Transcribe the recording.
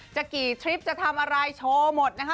จะกี่ทริปจะทำอะไรโชว์หมดนะคะ